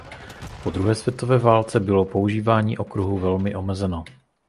Po druhé světové válce bylo používání okruhu velmi omezeno.